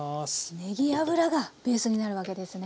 ねぎ油がベースになるわけですね。